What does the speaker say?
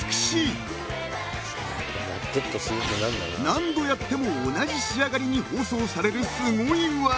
［何度やっても同じ仕上がりに包装されるすごい技］